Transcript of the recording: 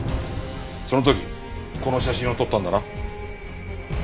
その時この写真を撮ったんだな？